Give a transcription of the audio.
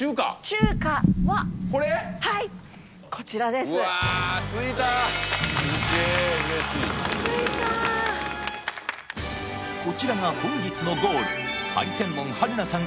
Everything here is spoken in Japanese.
中華はいうわ着いたすげえ嬉しい着いたこちらが本日のゴールハリセンボン春菜さん